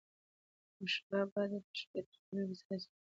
مشبه به، د تشبېه تر کلمې وروسته راځي.